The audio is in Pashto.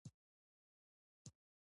قره باغ انګور ډیر دي؟